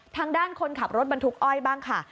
ทางด้านคนขับรถบรรทุกอ้อยบ้างค่ะ